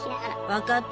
分かった。